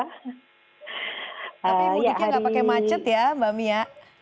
tapi mudiknya nggak pakai macet ya mbak mia